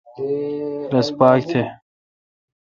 رس پاک تھ۔